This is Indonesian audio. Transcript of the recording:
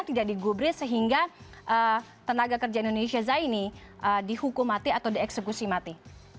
tidak digubris sehingga tenaga kerja indonesia zaini dihukum mati atau dieksekusi mati